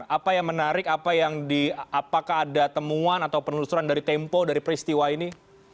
apa yang menarik apakah ada temuan atau penelusuran dari tempo dari peristiwa ini